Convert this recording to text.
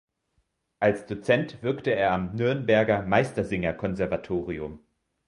Als Dozent wirkte er am Nürnberger Meistersinger-Konservatorium.